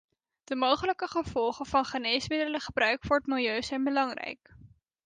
De mogelijke gevolgen van geneesmiddelengebruik voor het milieu zijn belangrijk.